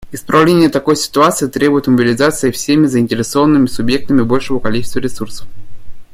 Исправление такой ситуации требует мобилизации всеми заинтересованными субъектами большего количества ресурсов.